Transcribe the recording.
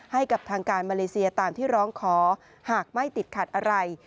ให้กับทางการมาเลเซียตามที่ร้องขอหากไม่ติดขัดอะไร